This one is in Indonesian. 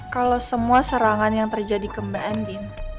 kalau semua serangan yang terjadi ke mbak anjine